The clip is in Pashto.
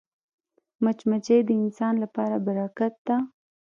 مچمچۍ د انسان لپاره برکت ده